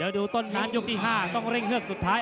เดี๋ยวดูต้นน้ำยกที่๕ต้องเร่งเฮือกสุดท้าย